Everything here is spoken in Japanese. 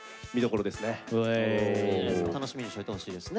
楽しみにしといてほしいですね。